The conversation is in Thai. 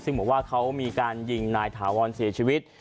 ซึ่งหมายถึงว่าเค้ามีการยิงนายฐาวร์นเสียชีวิต